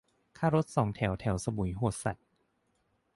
ค่ารถสองแถวสมุยโหดสัส